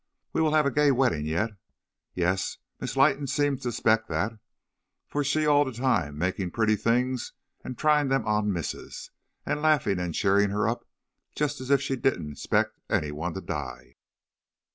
We will have a gay wedding yet. Yes; Miss Leighton seems to spect that; for she all de time making pretty things and trying them on missus, and laughing and cheering her up, just as if she didn't spect any one to die.'